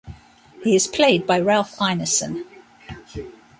He is played by Ralph Ineson.